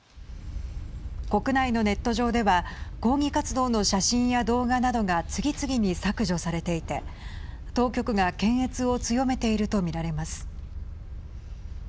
国内のネット上では抗議活動の写真や動画などが次々に削除されていて当局が検閲を強めていると見られます。